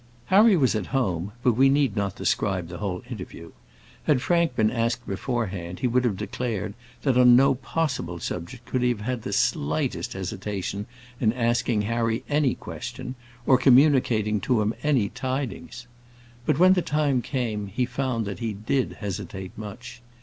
Harry was at home; but we need not describe the whole interview. Had Frank been asked beforehand, he would have declared, that on no possible subject could he have had the slightest hesitation in asking Harry any question, or communicating to him any tidings. But when the time came, he found that he did hesitate much.